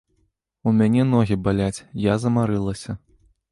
У мяне ногі баляць, я замарылася.